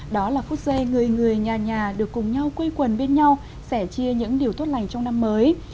đó là phút giây người người nhà nhà được cùng nhau quây quần bên nhau sẻ chia những điều tốt lành trong năm mới